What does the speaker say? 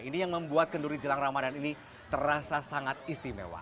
ini yang membuat kenduri jelang ramadan ini terasa sangat istimewa